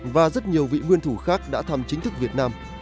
và rất nhiều vị nguyên thủ khác đã thăm chính thức việt nam